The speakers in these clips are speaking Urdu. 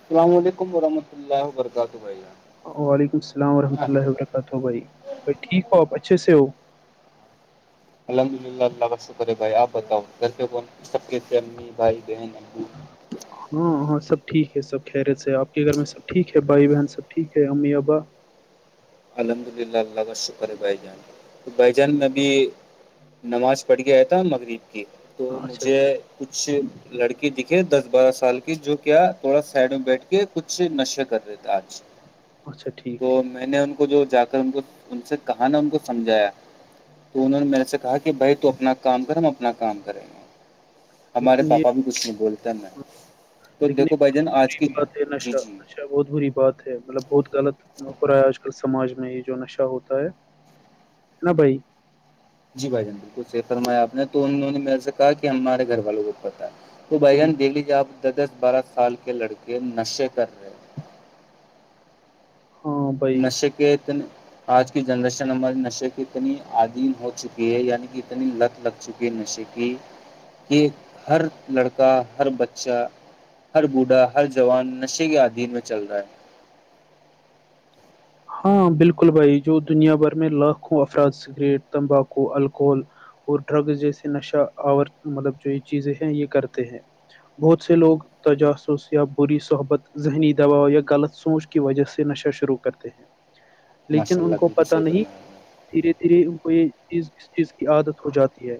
السلام علیکم ورحمۃ اللہ وبرکاتہ بھیا وعلیکم السلام وبرکاتہ بھائی میں ٹھیک ہوں الحمد للہ اللہ کا شکر ہے بھائی آپ بتاؤ گھر پ کون سب کے تھے امی بھائی بہن او [unintelligible] ہاں ہاں سب ٹھیک ہے سب خیرے سے ہے آپ کے گھر میں سب ٹھیک ہے بھائی بہن سب ٹھیک ہے امی ابا الحمد للہ اللہ کا شکر بھائی جان تو بھائی جان میں بھی نماز پڑھ گیا تھا مغرب کی تو ہاں، اچھا مجھے ٹھیک کچھ لڑکی دکھے دس بارہ سال کی جو کیا تھوڑا سائڈ میں بیٹھ کے کچھ نشے کر رہے تھا آج اچھا ٹھیک تو ٹھیک میں نے ان کو کو جو جا کر ان کو ان سے کہا نا ان کو سمجھایا تو انہوں نے م میں نے سے کہا کہ بھائی تو اپنا کام کر ہم اپنا کام کریں گے [unintelligible] ہمارے لیکن یہ پاپا بھی کچھ نہیں بولتے میں تو لیکن دیکھو یہ بھائی جان آج کی بھی بات ہے جی نشہ جی نشہ بہت بری بات ہے مطلب بہت غلط ہو رہا ہے آج کل سماج میں جو نشہ ہوتا ہے نہ بھائی [unintelligible] جی بھائی جان بالکل سیف فرمایا آپ نے تو انوں نے میرے سے کہا کہ ہمارے گھر والوں کو پتہ ہے تو بائی ہوں، جانس دیکھ لیجیے آپ دس دس بارہ سال کے لڑکے نشے کر رہے [unintelligible] ہاں بھائی نشے کےتنے [unintelligible] آج کی جنریشن ہمارے نشے کی اتنی عدیم ہو چکی ہے یعنی کہ اتنی لت لگ چکی کے نشے کی کہ ہر لڑکا ہر بچہ ہر بوڑھا ہر جوان نشے کے عدھیین میں چل رہا ہے ہاں بالکل بھائی جو دنیا بھر میں لاکھوں افراد سگریٹ تمباکو الکحل [unintelligible] اور ڈرگ جیسے نشہ آ مطلب جو یہ چیزیں ہیں یہ کرتے ہیں بہت سے لوگ تجاسس یا بری صحبت ذہنی دباؤ یا غلط سوچ کی وجہ سے نشہ شروع کرتے ہیں لیکن ماشاء اللہ ان کو بالکل پت صحیح نہیں فرمایا آپ نے. دھیرے دھیرے ان کو یہ چیز اس چیز کی عادت ہو جاتی ہے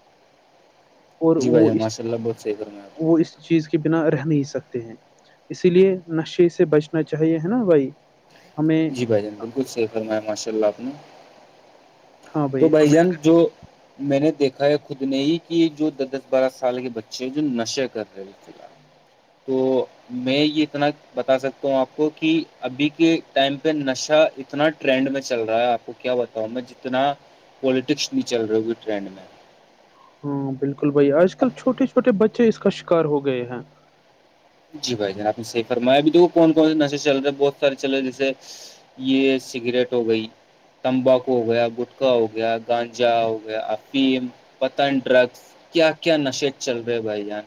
اور جی بھائی وہ جان اس ماشاء اللہ بہت صحیح فرمایا آپ وہ نے اس چیز کے بنا رہ نہیں سکتے ہیں اسی لیے نشے سے بچنا چاہیے ہے نا بھائی ہمیں بھ جان بالکل صح فرم ہے ماشاء اللہ آپ نے [unintelligible] ہاں تو بھائی ہمیں جان جو میں نے دیکھا ہے خود نے ہی کہ جو دس دس بارہ سال کے بچے ہیں جو نشے کر رہے ہیں فی الحال تو میں یہ اتنا بتا سکتا ہوں آپ کو کہ ابھی کے ٹائم پہ نشہ اتنا ٹرینڈ میں چل رہا ہے آپ کو کیا بتاؤں میں جتنا پوالٹکس نہیں چل رہی ہوی ٹرینڈ میں ہاں بالکل بھائی آج اب کل چھوٹے چھوٹے بچے اس کا شکار ہو گئے ہیں جی بھائی جان آپ نے صح فرمایا بھی د کون کون سے نشے چل رہے بہت سارے چل رہے جیسے یہ سگریٹ ہو گئی تمباکو ہو گیا گٹکا ہو گیا گانجا ہو گیا افیم پتن ڈرگس کیا کیا نشے چل رہے بھائی جان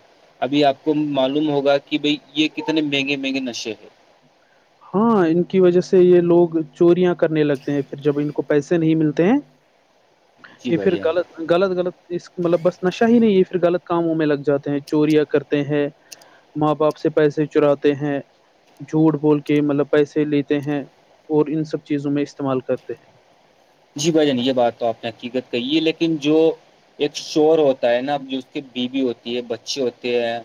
ابھی آپ کو معلوم ہوگا کہ کہ بھائی یہ کتنے مہنگے مہنگے نشے ہے ہاں ان کی وجہ سے یہ لوگ چوریاں کرنے لگتے ہیں پھر جب ان کو پیسے نہیں ملتے ہیں جی یہ بھائی پھر جان غلط غلط غلط اس مطلب بس نشہ ہی نہیں ہے پھر غلط کاموں میں لگ جاتے ہیں چوریاں کرتے ہیں ماں باپ سے پیسے چراتے ہیں جھوٹ بول کے کہ مطلب پیسے لیتے ہیں اور ان سب چیزوں میں استعمال کرتے ہیں جی بھ جان یہ بات تو آپ نے حقیقت کہی ہے لیکن جو ایک شور ہوتا ہے نا اب [unintelligible] کی بیوی ہوتی ہے بچے ہوتے ہیں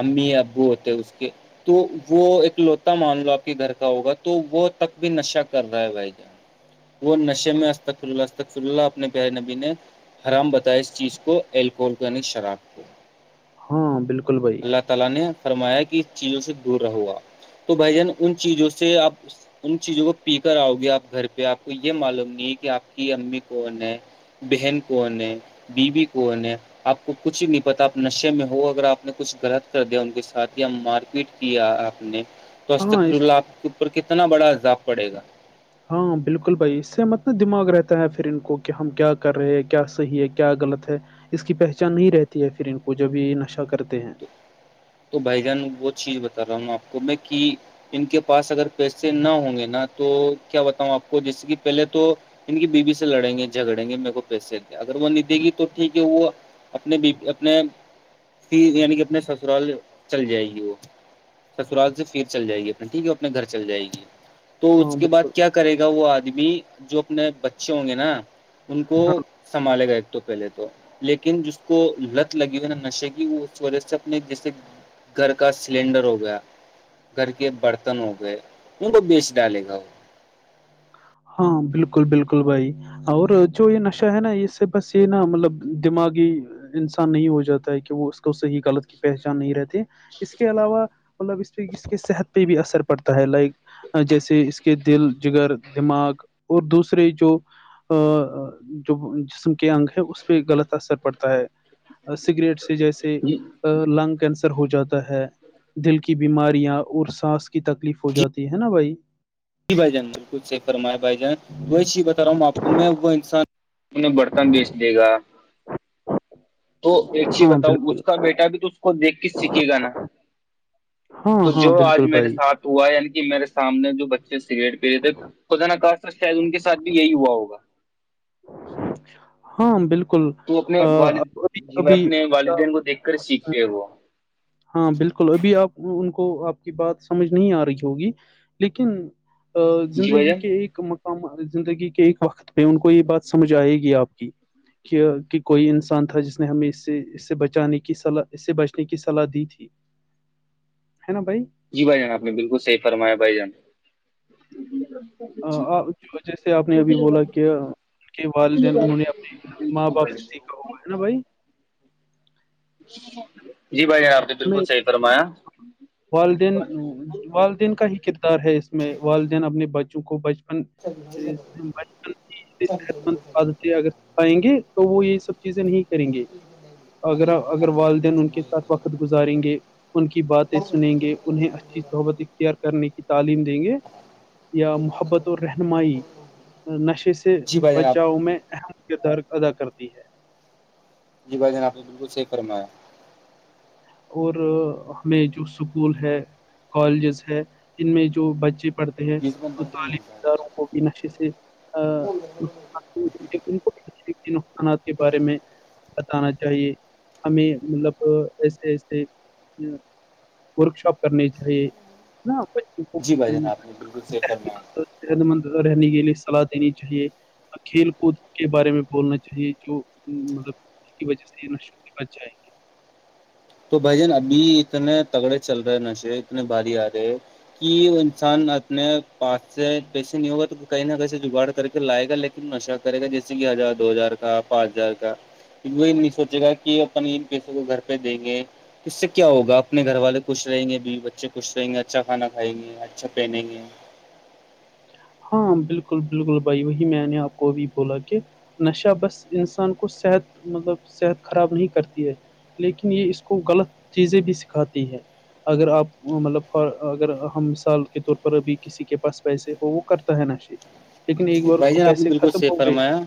امی ابو ہوتے اس کے تو وہ ایک لوتا مان لو آپ کے گھر کا ہوگا تو وہ تک بھی نشہ کر رہا ہے بھائی جان وہ نشے میں اسقفللہ اسقفل اللہ اپنے ب نبی نے [unintelligible] حرام بتائیں اس چیز کو الکل کا ن شراب کو [unintelligible] ہاں بالکل بھ [unintelligible] تالا نے فرمایا کہ اس چیزوں سے دور رہو گا تو بھائی جان ان چیزوں سے آپ اس [unintelligible] ان چیزوں کو پی کر آؤ گے آپ گھر پہ آپ کو یہ معلوم نہیں ہے کہ آپ کی امی کون ہے بہن کونن بیوی کونن آپ کو کچھ نہیں پتا آپ نشے میں ہو اگر آپ کچھ غلط کر دیا ان کے ساتھ یا مار پیٹ کیا آپ نے ہاں اس توکپ پر کتنا بڑا عذاب پڑے گا ہاں بالکل بھائی اس سے مطلب دماغ رہتا ہے پھر ان کو کہ ہم کیا کر رہے ہیں کیا صحیح ہے کیا غلط ہے اس کی پہچان نہیں رہتی ہے پھر ان کو جب یہ نشہ کرتے ہیں تو بھائی جان وہ چیز بتا رہا ہوں آپ کو میں کہ ان کے پاس اگر پیسے نہ ہوں گے نا تو کیا بتاؤں آپ کو جیسے کہ پہلے تو ان کی بیوی سے لڑیں گے جھگڑیں گے میرے کو پیسے اگر وہ نہیں دے گی تو ٹھیک ہے وہ اپنے بیی اپنے ف یعنی کہ اپنے سسرال چل جائے گی وہ سترال سے پھر چل جائے گی اپنا ٹھیک ہے وہ اپنے گھر چل جائے گی تو ہاں اس کے بعد بالکل کیا کرے گا وہ آدمی جو اپنے بچے ہوں گے نا ان کو سنبھالے گئے تھے تو پہلے تو لیکن جس کو لت لگی ہوئی نا نشے کی وہ اس وجہ سے اپنے جیسے گھر کا سلینڈر ہو گیا گھر کے برتن ہو گئے ان کو بیچ ڈالے گا وہ ہاں بالکل بالکل بھائی اور جو یہ نشہ ہے نا اس سے بس یہ نا مطلب دماغی انسان نہیں ہو جاتا ہے کہ وہ اس کو صحیح غلط کی پہچان نہیں رہتے اس کے علاوہ مطلب اس پہ اس کے صحت پہ بھی اثر پڑتا ہے لائک جیسے اس کے دل جگر دماغ اور دوسرے جو ا جو جسم کے انگ ہے اس پہ غلط اثر پڑتا ہے سگریٹ سے جیسے لنگ کینسر ہو جاتا ہے دل کی بیماریاں اور سانس کی تکلیف ہو جاتی ہے نا بھائی ج بائی جان بالکل صح فرم ہے بھائی جان توی چی بتا رہا ہوں میں آ کو میں وہ انسان انہیں برتن بیچ دے گا تو ایک چیز ہاں بتاؤ اس بالکل کا بیٹا بھی تو اس کو دیکھ کے سیکھے گا نا ہاں تو ہاں جو آج بالکل میرے بھائی ساتھ ہوا یعنی کہ میرے سامنے جو بچ سگریٹ پہے تھے خز ن کا شاید ان کے ساتھ بھی یہی ہوا ہوگا ہاں بالکل تو اپنے آ، ابھی والدی میں ابھی اپنے آ، والدین کو دیکھ کر سیکھتے وہ ہاں بالکل ابھی آپ ان کو آپ کی بات سمجھ نہیں آ رہی ہوگی لیکن جی بھائی زندگی جان کے ایک م ہم زندگی کے ایک وقت پہ ان کو یہ بات سمجھ آئے گی آپ کی کہ کہ کوئی انسان تھا جس نے ہمیں اس سے اس سے بچانے کی صلا اس سے بچنے کی سلا دی تھی ہے نا بھائی جی بھائی جان آپ نے بالکل صحیح فرمایا بھائی جان جو جیسے آپ نے ابھی بولا کہ ان کے والدین انہوں نے اپنے جی [unintelligible] پب سٹی کا ہو ہےا بھائی [unintelligible] جی بھائی آپ نے ہمیں بالکل صحی فرمایا والدین والدین کا ہی کردار ہے اس میں والدین اپنے بچوں کو ب [unintelligible] [unintelligible] صحت مند عادتیں اگر آائیں گے تو وہ یہ سب چیزیں نہیں کریں گے [unintelligible] اگر اگر والدین ان کے ساتھ وقت گزاریں گے ان کی بات سنیں گے انہیں اچھی محبت اختیار کرنے کی تعلیم دیں گے یا محبت اور رہ رہنمائی نشے سے جی بھائی جان آپ بچاؤ میں اہم کردار ادا کرتی ہے جی بھائی جان آپ نے بالکل صحیک کرنا ہے اور ہمیں جو اسکول ہے کالجز ہے ان میں جو بچے پڑھتے ہیں اور تعلیمی اداروں کو بھی نشے سے [unintelligible] کے نقصانات کے بارے میں [unintelligible] بتانا چاہیے ہمیں مطلب ایسے ورک شاپ کرنی چاہیے [unintelligible] نہ جی بھائی جان آپ نے بالکل صحیح فرمایا صحت مند رہنے کے لیے صلاح دینی چاہیے کھیل کود کے بارے میں بولنا چاہیے جو مطلب اس کی وجہ سے ان کی بچ جائ تو بھائی جان ابھی اتنے تگڑے چل رہے ہیں نشے اتنے باری آ رہے ہے کہ وہ انسان اپنے پاس سے پیسے نہیں ہوگا تو کہیں نہ کہیں سے جگاڑ کر کے لائے گا لیکن نشہ کرے گا جیسے کہ ہزار دو ہزار کا پانچ ہزار کا وہ نہیں سوچے گا کہ اپنے ان پیسوں کو گھر پہ دیں گے اس سے کیا ہوگ اپنے گھر والے خوش رہیں گے بی بچے خوش رہیں گے اچھا کانا کھائیں گے اچھا پہنیں گے ہاں بالکل بالکل بھائی وہی میں نے آپ کو ابھی بولا کہ نشہ بس انسان کو صحت مطلب صحت خراب نہیں کرتی ہے لیکن یہ اس کو غلط چیزیں بھی سکھاتی ہے اگر آپ مطلب اگر ہم مثال کے طور پر ابھی کسی کے پاس پیسے وہ کرتا ہے نشے لیکن ایک بار اس بھائی کو جان آپ نے پیسے بالکل ختم صحیح ہو گئے فرمایا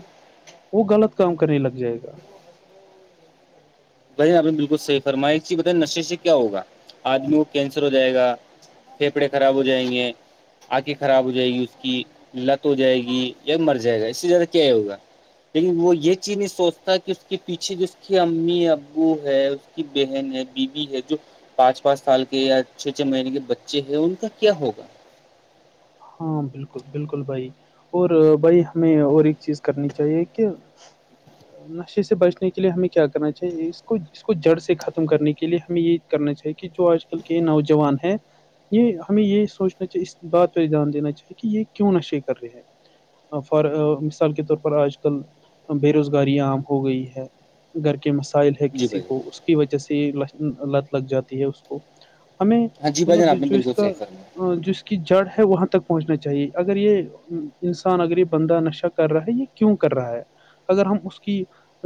وہ غلط کام کرنے لگ جائے گا بھ آپ نے بالکل صحیح فرمائی ایک چیز بتائی نشے سے کیا ہوگا آدمی کو کینسر ہو جائے گا پھیپڑے خراب ہو جائیں گے آنکھیں خراب ہو جائے گی اس کی لت ہو جائے گی یا مر جائے گا اس سے زیادہ کیا ہے ہوگا لیکن وہ یہ چیز نہیں سوچتا کہ اس کے پیچھے جو اس کی امی ا ابو ہے اس کی بہن ہے بیوی ہے جو پانچ پانچ سال کے یا چھ چھ مہینے کے بچے ہیں ان کا کیا ہوگا ہاں بالکل بالکل بھائی اور بھائی ہمیں اور ایک چیز کرنی چاہیے کہ نشے سے بچنے کے لیے ہمیں کیا کرنا چاہیے اس کو اس کو جڑ سے ختم کرنے کے لیے ہمیں یہ کرنا چاہیے کہ جو آج کل کے نوجوان ہیں یہ ہمیں یہ سوچنا چاہیے اس بات پہ دھیان دینا چاہیے کہ یہ کیوں نشے کر رہے ہیں ف مثال کے طور پر آج کل بے روزگاری عام ہو گئی ہے گھر کے مسائل ہے جی کسی بھائی کو جان اس کی وجہ سے لت لگ جاتی ہے اس کو ہمیں ہاں جی بھائی جان مطلب آپ نے جو اس بالکل کا صحیح فرمایا جو اس کی جڑ ہے وہاں تک پہنچنا چاہیے اگر یہ انسان اگر یہ بندہ نشہ کر رہا ہے یہ کیوں کر رہا ہے اگر ہم اس کی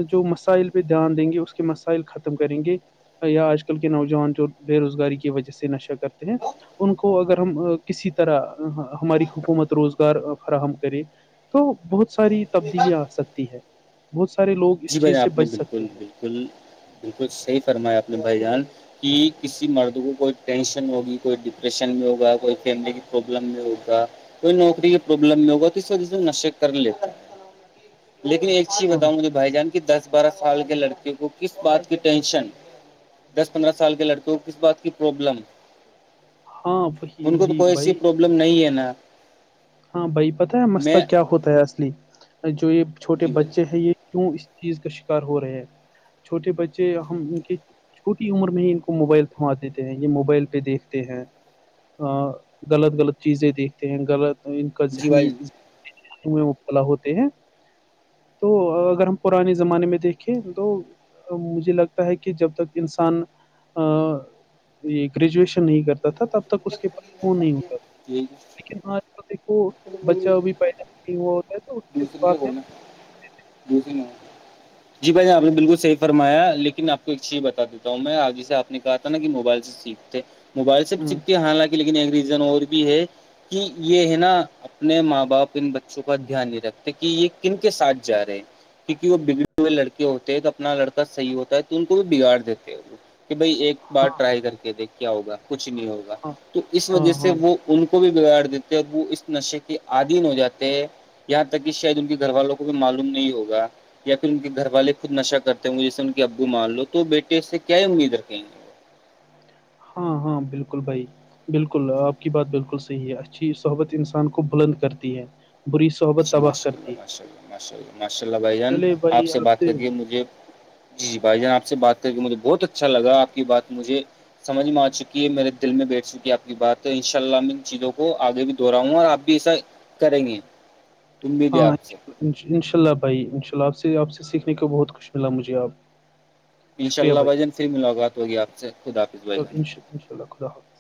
جو مسائل پہ دھیان دیں گے اس کے مسائل ختم کریں گے یا آج کل کے نوجوان جو بے روزگاری کی وجہ سے نشہ کرتے ہیں ان کو اگر ہم کسی طرح ہماری حکومت روزگار فراہم کرے تو بہت ساری تبدیلیاں آ سکتی ہے بہت سارے لوگ جی اس بھائی جان، چیز سے آپ نے بچ سکتے بالکل ہیں بالکل بالکل صحیح فرمایا آپ نے بھائی جان کہ کسی مرد کو کوئی ٹینشن ہوگی کوئی ڈپریشن میں ہوگا کوئی فیملی کی پرابلم میں ہوگا کوئی نوکری کی پرابلم نہیں ہوگا تو اس و میں نشے کر لیتا ہے لیکن ایک اچی ہاں بتاؤں مجھے بھائی جان کی دس بارہ سال کے لڑکیوں کو کس بات کی ٹینشن دس پندرہ سال کے لڑکوں کو کس بات کی پروابلم ہاں وہی ان کو تو وہی کوئی ایسی بھائی پرابلم نہیں ہے نا ہاں بھائی پتہ ہے میں مسئلہ کیا ہوتا ہے اصلی جو یہ چھوٹے جی بھائی بچے ہیں یہ کیوں اس چیز کا شکار ہو رہے ہیں چھوٹے بچے ہم ان کے چھوٹی عمر میں ہی ان کو موبائل تھما دیتے ہیں یہ موبائل پہ دیکھتے ہیں غلط غلط چیزیں دیکھتے ہیں غلط ان کا جی ذہنی بھائی ہوتے ہیں تو اگر ہم پرانے زمانے میں دیکھیں تو مجھے لگتا ہے کہ جب تک انسان ا یہ گریجویشن نہیں کرتا تھا تب تک اس کے پاس فون نہیں ہوتا تھا لیکن آج وہ بچہ بھی پیدا نہیں ہوا ہوتا ہے تو اس دوسری جگہ بد میں بولنا [unintelligible] جی بھائی ج آ نے بالکل صحی فرایا لیکن آپ کو ایک چیز بتا دیتا ہوں میں آپ جسے آپ نےا تھا نا کہ موبائل سے سیکھتے موبائل سےب ہوں سیکھتے حالانکہ لیکن ایک ریزن اور بھی ہے کہ یہ ہے نا اپنے ماں بپ ان بچوں کا دھیان نہیں رکھتے کہ یہ کن کے ساتھ جا رہے ہیں کیونک وہ ب لڑکے ہوتے ہیں کہ اپنا لڑکا صحیح ہوتا ہے تو ان کو بھی بگاڑ دیتے ہیں وہ کہ بھائی ایک بار ہاں ٹرائی کر کے دے کیا ہوگا کچھ نہیں ہوگا ہاں تو اس ہاں وجہ سے ہاں وہ ان کو بھی بگاڑ دیتے اور وہ اس نشے کے آدھیین ہو جاتے ہیں یہاں تک کہ شاید ان کے گھر والوں کو بھی معلوم نہیں ہوگا یا پھر ان کے گھر والے خود نش کرتے ہیں وہ جیے ان کے ابو مان لو تو بیٹے سے کیا امید رکھیں گے ہاں ہاں بالکل بھائی بالکل آپ کی بات بالکل صحیح ہے اچھی صحبت انسان کو بلند کرتی ہے بری صحبت جی تباہ ماشاء اللہ کرتی ہے ماشاء اللہ ماشاء اللہ ماشاء اللہ بھائی جان آپ سے بات کریے مجھے جی بھائی جان آپ سے بات کر کے مجھے بہت اچھا لگا آپ کی بات مجھے سمجھ میں آ چکی ہے میرے دل میں بیٹھ چکی آپ کی بات ان شاء اللہ میں ان چیزوں کو آگے بھی دہرا ہوں اور آپ پیسا کریں گے امید ہے ہاں آپ سے انشاء اللہ بھائی انشاء اللہ آپ سے آپ سے سیکھنے کو بہت کچھ ملا مجھے آپ انشاء اللہ بھائی جان پھر ملاقات ہوگی آپ سے خ آپ چل ان شالہ انشاء اللہ خدا حافظ